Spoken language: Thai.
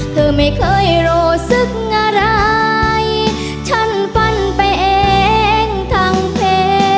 เธอไม่เคยโรศึกอะไรฉันฝันไปเองทั้งเพ